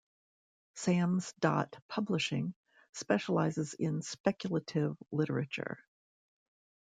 Sam's Dot Publishing specializes in speculative literature.